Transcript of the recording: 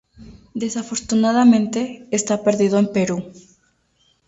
Desafortunadamente, está perdido en Perú".